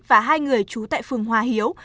và hai người chú tại phường hòa hiếu